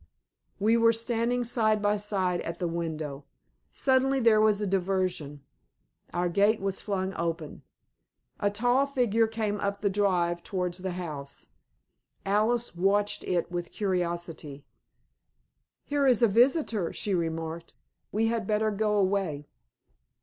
We were standing side by side at the window. Suddenly there was a diversion. Our gate was flung open. A tall figure came up the drive towards the house. Alice watched it with curiosity. "Here is a visitor," she remarked. "We had better go away."